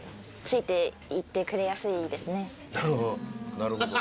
なるほど。